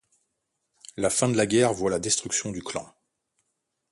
La fin de la guerre voit la destruction du clan.